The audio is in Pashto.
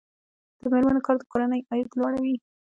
د میرمنو کار د کورنۍ عاید لوړوي.